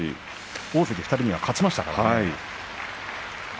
大関２人には勝ちましたからね。